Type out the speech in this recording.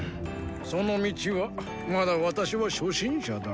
その道はまだ私は初心者だ。